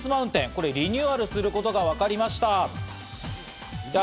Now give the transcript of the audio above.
これ、リニューアルすることがわかりました。